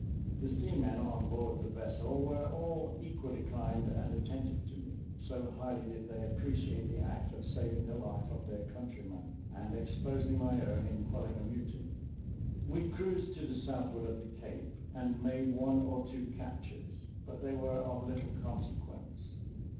The seamen on board the vessel were all equally kind and attentive to me, so highly did they appreciate the act of saving the life of their countryman, and exposing my own in quelling a mutiny. We cruised to the southward of the Cape, and made one or two captures; but they were of little consequence.